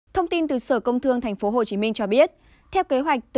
thông tin từ sở công thương tp hcm cho biết